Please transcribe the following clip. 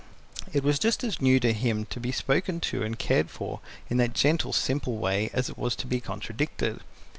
It was just as new to him to be spoken to and cared for in that gentle, simple way as it was to be contradicted.